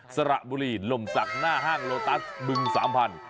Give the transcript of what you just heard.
สระบุรีลมสักหน้าห้างโลตัสบึง๓๐๐๐บาท